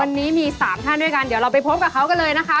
วันนี้มี๓ท่านด้วยกันเดี๋ยวเราไปพบกับเขากันเลยนะคะ